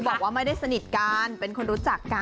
บอกว่าไม่ได้สนิทกันเป็นคนรู้จักกัน